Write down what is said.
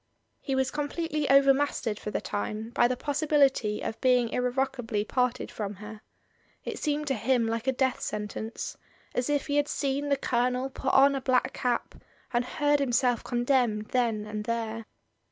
He was completely over mastered for the time by the possibility of being irrevocably parted from her. It seemed to him like a death sentence, as if he had seen the Colonel put on a black cap and heard himself condemned then and there.